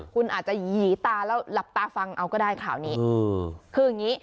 คุณอาจจะหยีตาแล้วหลับตาฟังเอาก็ได้